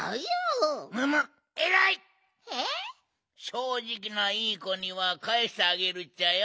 しょうじきないいこにはかえしてあげるっちゃよ。